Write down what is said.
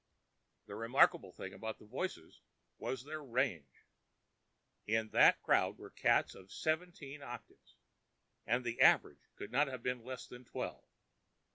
The remarkable thing about the voices was their range. In that crowd were cats of seventeen octaves, and the average could not have been less than twelve.